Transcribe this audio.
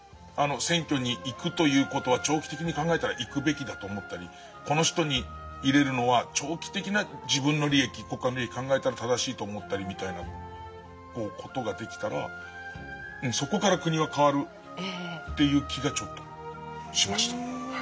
あの選挙に行くという事は長期的に考えたら行くべきだと思ったりこの人に入れるのは長期的な自分の利益国家の利益考えたら正しいと思ったりみたいな事ができたらそこから国は変わるっていう気がちょっとしました。